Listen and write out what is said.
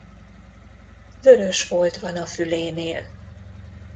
Vörös folt van a fülénél.